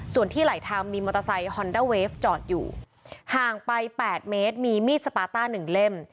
ส่วนที่ไหลทำมีมอเตอร์ไซค์จอดอยู่ห่างไปแปดเมตรมีมีดสปาต้าหนึ่งเล่ม